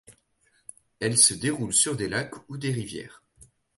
Elle se déroule sur des lacs ou des rivières.